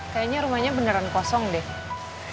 kayaknya rumahnya beneran kosong deh